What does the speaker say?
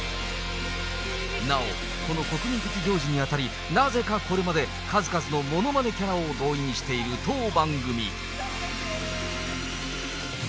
なお、この国民的行事にあたり、なぜかこれまで数々のものまねキャラを動員している当番組。